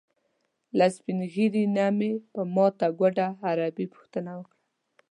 له سپین ږیري نه مې په ماته ګوډه عربي پوښتنه وکړه.